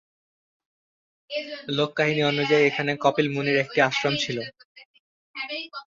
লোক-কাহিনী অনুযায়ী এখানে কপিল মুনির একটি আশ্রম ছিল।